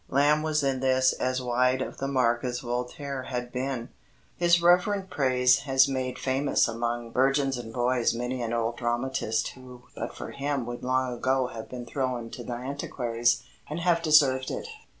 Lamb was in this as wide of the mark as Voltaire had been. His reverent praise has made famous among virgins and boys many an old dramatist who but for him would long ago have been thrown to the antiquaries, and have deserved it.